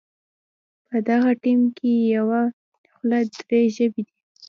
په دغه ټیم کې په یوه خوله درې ژبې دي.